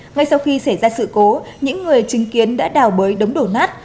ngay sau khi xảy ra sự cố những người chứng kiến đã đào bới đống đổ nát